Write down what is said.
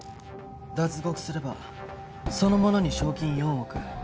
脱獄すればその者に賞金４億。